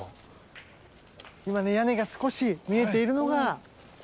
今屋根が少し見えているのが本殿ですよね。